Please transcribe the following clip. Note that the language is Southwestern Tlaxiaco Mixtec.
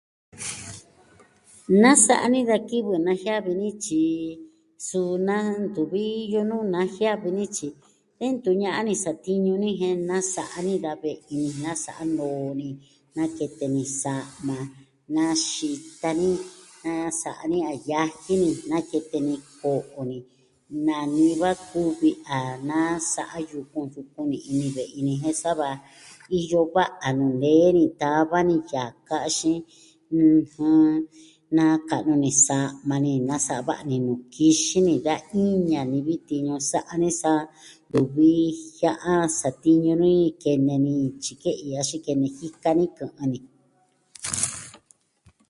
Na sa'a ni da kivɨ najiavi ni tyi, suu naa ntuvi iyo nuu najiavi ni tyi de ntu ña'an ni satiñu ni jen nasa'a ni da ve'i ni, nasa'a noo ni. Nakete ni sa'ma, naxita ni, nasa'a ni a yaji ni, nakete ni, ko'o ni. Nanii va kuvi a nasa'a yukun, yukun ni ini ve'i ni, jen sa va, iyo va'a nuu nee ni, tava ni yaka, axin, ɨjɨn, naka'nu ni sa'ma ni, nasa'a va'a ni nuu kixin ni da iña ni vi tiñu sa'a ni, sa ntuvi jia'an satiñu ni kene ni tyike'i axin kene jika ni kɨ'ɨn ni.